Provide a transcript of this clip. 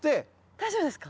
大丈夫ですか？